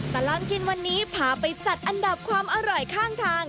ตลอดกินวันนี้พาไปจัดอันดับความอร่อยข้างทาง